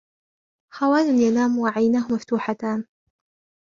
خوان ينام وعيناه مفتوحتان.